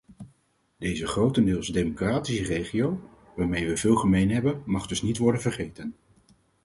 Deze grotendeels democratische regio, waarmee we veel gemeen hebben, mag dus niet worden vergeten.